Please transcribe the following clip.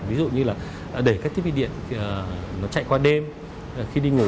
ví dụ như là để các thiết bị điện nó chạy qua đêm khi đi ngủ